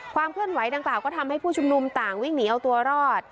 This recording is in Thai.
ความเคลื่อนไหดังกล่าวก็ทำให้ผู้ชุมนุมต่างวิ่งหนีเอาตัวรอด